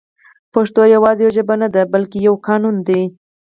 پښتو يوازې يوه ژبه نه ده بلکې يو قانون دی